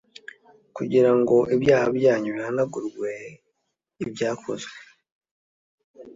kugira ngo ibyaha byanyu bihanagurwe ibyakozwe